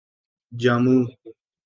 جامو